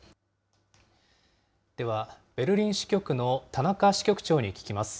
では、ベルリン支局の田中支局長に聞きます。